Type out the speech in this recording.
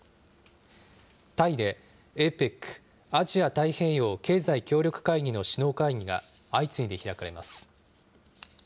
タイでＡＰＥＣ・アジア太平洋経済協力会議の首脳会議が、相次いで開かれます。